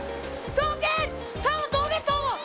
どけ！